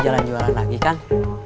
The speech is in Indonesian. jalan jualan lagi kang